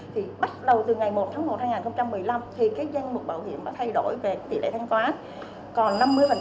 thì bắt đầu từ ngày một tháng một hai nghìn một mươi năm thì cái danh mục bảo hiểm đã thay đổi về tỷ lệ thanh toán